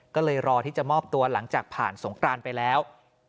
ก็เลยรอที่จะมอบตัวหลังจากผ่านสงกรานไปแล้ว